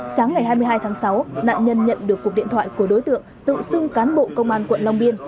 sáng ngày hai mươi hai tháng sáu nạn nhân nhận được cuộc điện thoại của đối tượng tự xưng cán bộ công an quận long biên